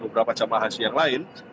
beberapa jemaah haji yang lain